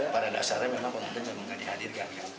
pada dasarnya memang pengantin memang nggak dihadirkan